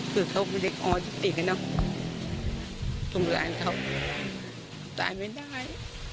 คือเขาเป็นเด็กออจุติกเนอะทุ่มหลานเขาตายไม่ได้